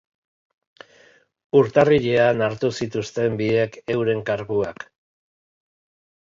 Urtarrilean hartu zituzten biek euren karguak.